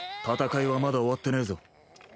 戦いはまだ終わってねえぞ。